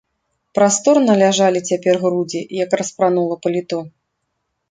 Прасторна ляжалі цяпер грудзі, як распранула паліто.